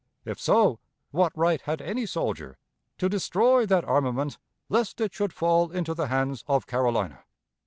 If so, what right had any soldier to destroy that armament lest it should fall into the hands of Carolina?